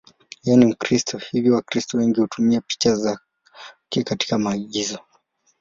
Yeye ni Mkristo, hivyo Wakristo wengi hutumia picha zake katika maigizo.